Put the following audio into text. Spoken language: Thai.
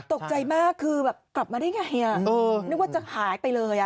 ตกใจมากคือแบบกลับมาได้ไงนึกว่าจะหายไปเลย